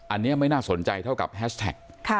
อันนี้ไม่น่าสนใจเท่ากับแฮชแท็ก